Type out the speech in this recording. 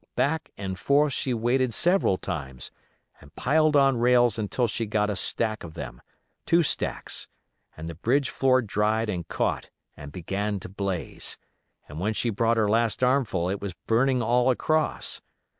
Back and forth she waded several times and piled on rails until she got a stack of them—two stacks, and the bridge floor dried and caught and began to blaze; and when she brought her last armful it was burning all across.